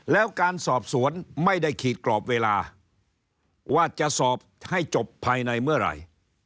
แล้วการสอบสวนไม่ได้ขีดกรอบเวลาว่าจะสอบให้จบภายในเมื่อไหร่